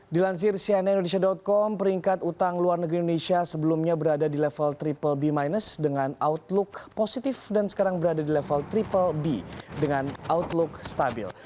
dilansir cnn indonesia com peringkat utang luar negeri indonesia sebelumnya berada di level triple b minus dengan outlook positif dan sekarang berada di level triple b dengan outlook stabil